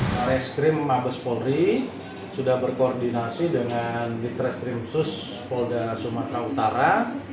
bareskrim mabespori sudah berkoordinasi dengan diktereskrim khusus polda sumatera utara